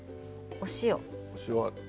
お塩。